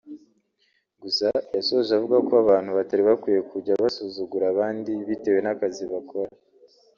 Gusa yasoje avuga ko abantu batari bakwiye kujya basuzugura abandi bitewe n’akazi bakora